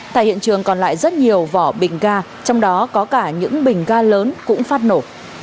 tại hiện trường còn lại rất nhiều vỏ bình ga trong đó có cả những bình ga lớn cũng phát nổ